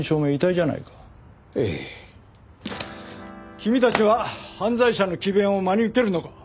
君たちは犯罪者の詭弁を真に受けるのか？